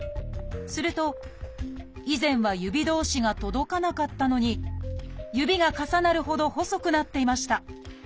すると以前は指同士が届かなかったのに指が重なるほど細くなっていました。